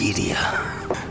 dan dia sudah janda